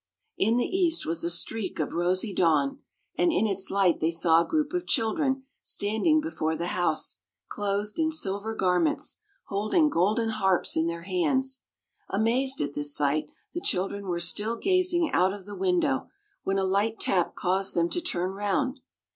In the east was a streak of rosy dawn, and in its light they saw a group of children standing before the house, clothed in silver garments, holding golden harps in their hands. Amazed at this sight, the children were still gazing out of the window, when a light tap caused them to turn round.